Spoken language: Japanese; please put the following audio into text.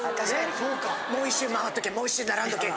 「もう１周回っとけもう１周並んどけ」